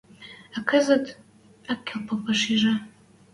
А кӹзӹт... Ак кел попаш ижӹ.